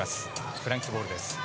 フランスボールです。